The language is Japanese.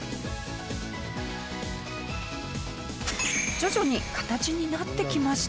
徐々に形になってきました。